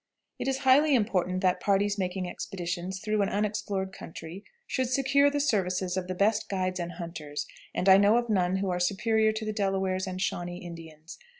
It is highly important that parties making expeditions through an unexplored country should secure the services of the best guides and hunters, and I know of none who are superior to the Delawares and Shawnee Indians.